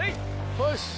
よし！